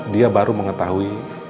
dia baru mengetahui